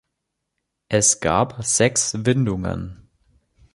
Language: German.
Es gab sechs Windungen.